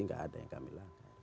tidak ada yang kami langgar